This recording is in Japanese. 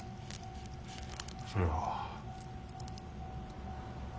そそれは。